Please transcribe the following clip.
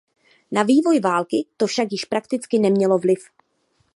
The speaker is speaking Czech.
Na vývoj války to však již prakticky nemělo vliv.